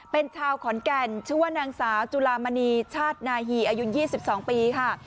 เป็นชาวขอนแก่นชื่อว่านางสาวจุลามณีชาตินาฮีอายุ๒๒ปีค่ะ